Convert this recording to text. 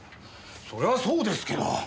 そりゃあそうですけど。